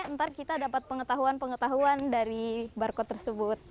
ntar kita dapat pengetahuan pengetahuan dari barcode tersebut